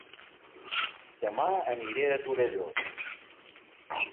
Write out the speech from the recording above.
Dema aniré a Torelló